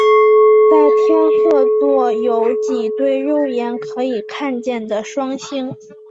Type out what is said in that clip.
在天鹤座有几对肉眼可以看见的双星。